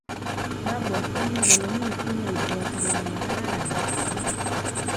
Mabwatyini kole mi chii neibwati kole magararan metingung